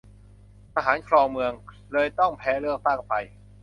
ทหารครองเมือง เลยต้องแพ้เลือกตั้งไป